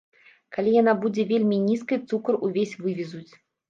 Калі яна будзе вельмі нізкай, цукар ўвесь вывезуць.